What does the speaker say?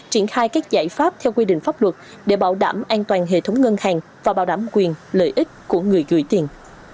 triển khai các giải pháp theo quy định pháp luật để bảo đảm an toàn hệ thống ngân hàng và bảo đảm quyền lợi ích của người gửi tiền